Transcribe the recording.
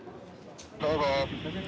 「どうぞ」。